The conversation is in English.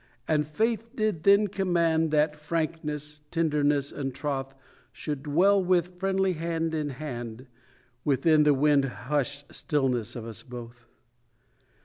And faith did then command That frankness, tenderness and troth Should dwell with friendly hand in hand Within the wind hushed stillness of us both.